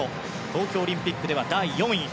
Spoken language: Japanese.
東京オリンピックでは第４位。